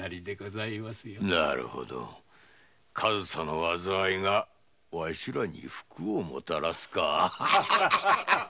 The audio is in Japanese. なるほど上総の災いがわしらに福をもたらすか。